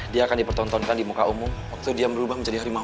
dia akan dipertontonkan di muka umum waktu dia berubah menjadi harimau